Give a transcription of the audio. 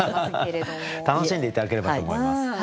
楽しんで頂ければと思います。